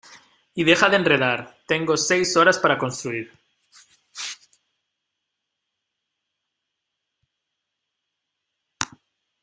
y deja de enredar. tengo seis horas para construir